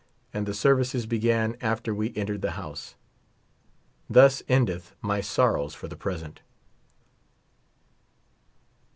And the sersices began after we entered the house. Thus endeth my sorrows for the present.